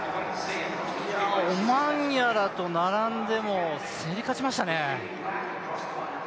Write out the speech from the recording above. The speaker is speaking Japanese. オマンヤラと並んでも、競り勝ちましたね。